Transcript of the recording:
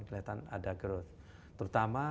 kelihatan ada growth terutama